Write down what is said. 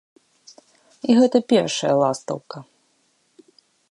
І гэта першая ластаўка.